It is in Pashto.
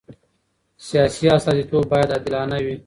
سیاسي استازیتوب باید عادلانه وي